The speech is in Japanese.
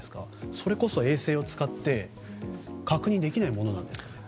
それこそ、衛星を使って確認できないものなんですか？